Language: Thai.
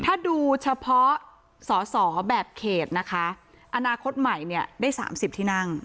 ถ้าดูเฉพาะสอสอแบบเขตนะคะอนาคตใหม่เนี่ยได้๓๐ที่นั่ง